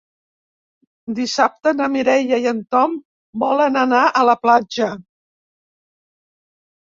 Dissabte na Mireia i en Tom volen anar a la platja.